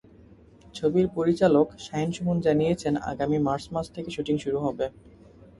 ছবির পরিচালক শাহিন সুমন জানিয়েছেন, আগামী মার্চ মাস থেকে শুটিং শুরু হবে।